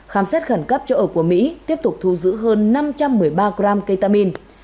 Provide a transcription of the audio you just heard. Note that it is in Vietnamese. khám xét khẩn cấp chỗ ở của mỹ tiếp tục thu giữ hơn năm trăm một mươi ba gram ketamin